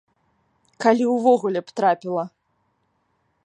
Калі увогуле б трапіла.